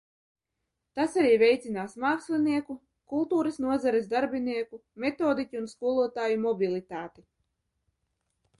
Tas arī veicinās mākslinieku, kultūras nozares darbinieku, metodiķu un skolotāju mobilitāti.